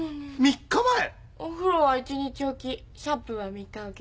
お風呂は１日おきシャンプーは３日おき。